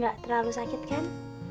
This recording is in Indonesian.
gak terlalu sakit kan